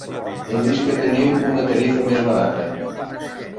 He vist que teniu una tarifa més barata.